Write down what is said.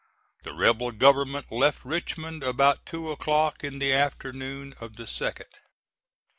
The rebel government left Richmond about two o'clock in the afternoon of the 2d.